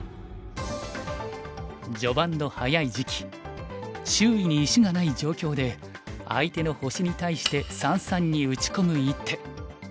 序盤の早い時期周囲に石がない状況で相手の星に対して三々に打ち込む一手。